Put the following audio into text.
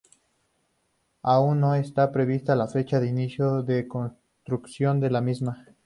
Aún no está prevista la fecha de inicio de construcción de la misma.